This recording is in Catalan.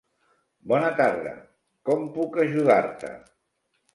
Bona tarda, com puc ajudar-te?